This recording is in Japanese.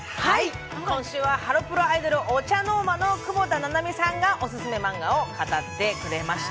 今週はハロプロアイドルＯＣＨＡＮＯＲＭＡの窪田七海さんがオススメマンガを語ってくれました。